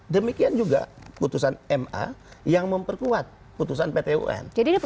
demikian juga putusan ma yang memperkuat putusan pt un